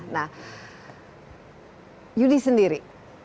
nah yudi sendiri